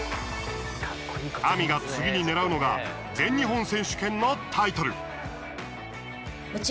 ＡＭＩが次にねらうのが全日本選手権のタイトル。